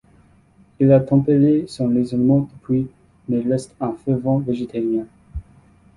Il a tempéré son raisonnement depuis mais reste un fervent végétarien.